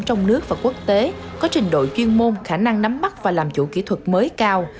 trong nước và quốc tế có trình độ chuyên môn khả năng nắm bắt và làm chủ kỹ thuật mới cao